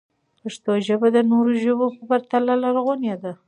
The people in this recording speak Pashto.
پښتو ژبه د نورو ژبو په پرتله لرغونې ده.